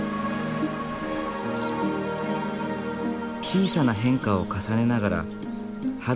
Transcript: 小さな変化を重ねながら春から夏へ。